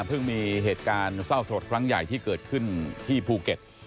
มีเหตุการณ์เศร้าสลดครั้งใหญ่ที่เกิดขึ้นที่ภูเก็ต